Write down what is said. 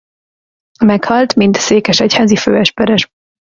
Meghalt mint székesegyházi főesperes.